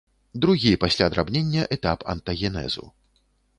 Другі пасля драбнення этап антагенезу.